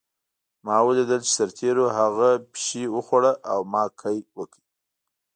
ما ولیدل چې سرتېرو هغه پیشو وخوړه او ما قی وکړ